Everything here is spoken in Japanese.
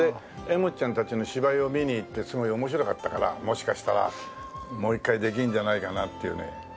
もっちゃんたちの芝居を見に行ってすごい面白かったからもしかしたらもう一回できるんじゃないかなっていうね。